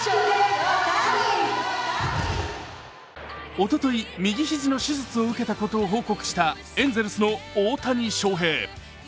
おととい、右肘の手術を受けたことを報告したエンゼルスの大谷翔平。